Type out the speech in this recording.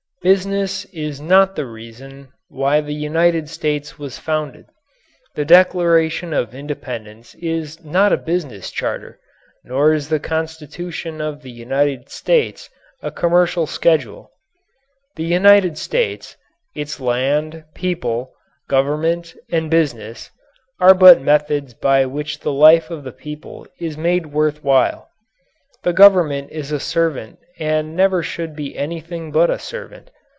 Business is not the reason why the United States was founded. The Declaration of Independence is not a business charter, nor is the Constitution of the United States a commercial schedule. The United States its land, people, government, and business are but methods by which the life of the people is made worth while. The Government is a servant and never should be anything but a servant.